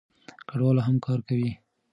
کډوال هم کار کوي.